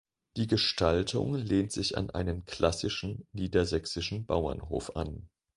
Die Gestaltung lehnt sich an einen klassischen niedersächsischen Bauernhof an.